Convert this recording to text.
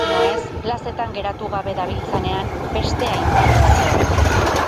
Bi baino ez, plazetan geratu gabe dabiltzanean beste hainbat mordoan.